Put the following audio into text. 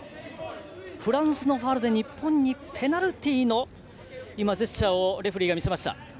フランスのファウルで、日本にペナルティーのジェスチャーをレフェリーが見せました。